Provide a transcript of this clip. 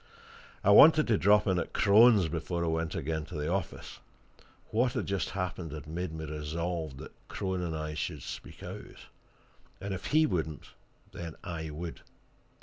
I wanted to drop in at Crone's before I went again to the office: what had just happened, had made me resolved that Crone and I should speak out; and if he wouldn't, then I would.